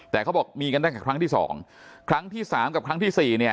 แต่เขาบอกมีกันตั้งแต่ครั้งที่สองครั้งที่สามกับครั้งที่สี่เนี่ย